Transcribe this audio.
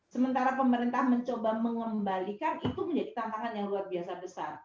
sementara pemerintah mencoba mengembalikan itu menjadi tantangan yang luar biasa besar